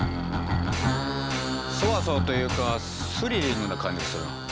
そわそわというかスリリングな感じがするな。